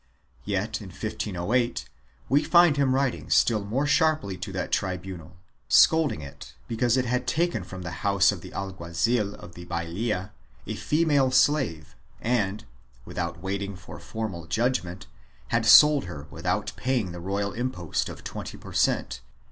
Yet, in 1508, we find him writing still more sharply to that tribunal, scolding it because it had taken from the house of the alguazil of the Bailia a female slave and, with out waiting for formal judgement, had sold her without paying the royal impost of twenty per cent.